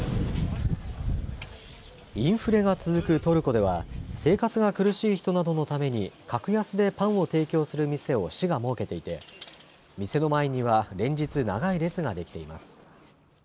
インフレが続くトルコでは生活が苦しい人などのために格安でパンを提供する店を市が設けていて店の前には連日、長い列ができています。